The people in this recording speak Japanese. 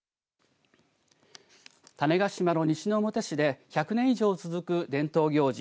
種子島の西之表市で１００年以上続く伝統行事